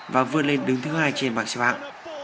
và vươn lên đứng thứ hai trên bảng xe bạc